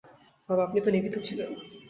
বাবা, আপনি তো নেভি তে ছিলেন!